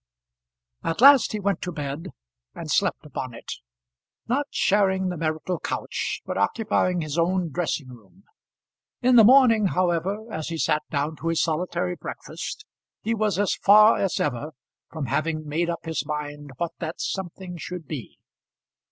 At last he went to bed, and slept upon it; not sharing the marital couch, but occupying his own dressing room. In the morning, however, as he sat down to his solitary breakfast, he was as far as ever from having made up his mind what that something should be.